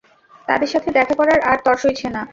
তাদের সাথে দেখা করার আর তর সইছে না।